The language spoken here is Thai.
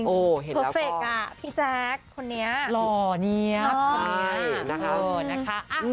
โอ้เห็นแล้วพี่แจ็คคนนี้หล่อนี๊ยบ